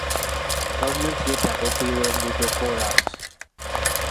Gavumenti yeetaaga okuyiwa enguudo kkoolaasi.